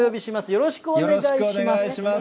よろしくお願いします。